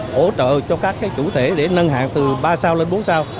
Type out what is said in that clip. hỗ trợ cho các chủ thể để nâng hạng từ ba sao lên bốn sao